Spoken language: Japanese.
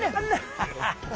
ハハハハ！